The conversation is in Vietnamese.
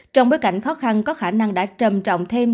trong bối cảnh khó khăn có khả năng đã trầm trọng thêm